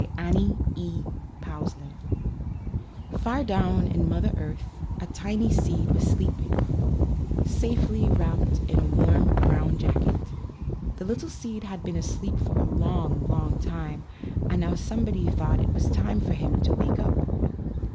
BY ANNIE E. POUSLAND. Far down in Mother Earth a tiny seed was sleeping, safely wrapped in a warm, brown jacket. The little seed had been asleep for a long, long time, and now somebody thought it was time for him to wake up.